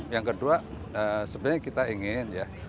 yang kedua sebenarnya kita ingin ya